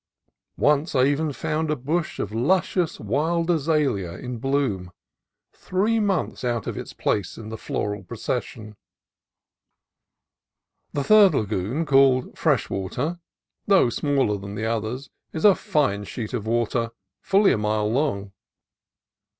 Once I found even a bush of luscious wild azalea in bloom, three months out of its place in the floral procession. The third lagoon, called Freshwater, though smaller than the others, is a fine sheet of water, fully a mile long.